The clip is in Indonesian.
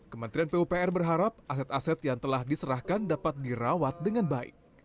kementerian pupr berharap aset aset yang telah diserahkan dapat dirawat dengan baik